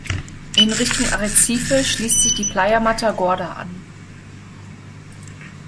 In Richtung Arrecife schließt sich die Playa Matagorda an.